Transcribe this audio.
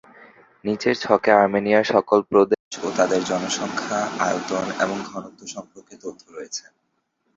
নিচের ছকে আর্মেনিয়ার সকল প্রদেশ ও তাদের জনসংখ্যা, আয়তন এবং ঘনত্ব সম্পর্কে তথ্য রয়েছে।